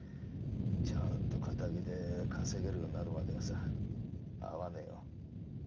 ちゃんと堅気で稼げるようになるまではさ会わねえよ。